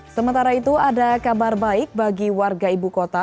sementara itu ada kabar baik bagi warga ibu kota